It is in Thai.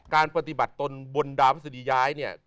การปฏิบัติตนบนดาวพฤษฎีย้ายเนี่ย